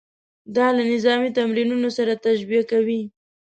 دا له نظامي تمریناتو سره تشبیه کوي.